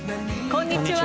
こんにちは。